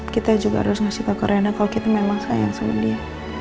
kita juga harus ngasih tau ke rina kalau kita memang sayang sama dia